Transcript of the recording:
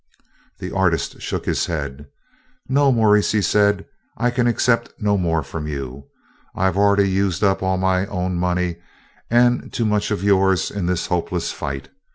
The artist shook his head. "No, Maurice," he said, "I can accept no more from you. I have already used up all my own money and too much of yours in this hopeless fight.